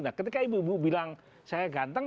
nah ketika ibu ibu bilang saya ganteng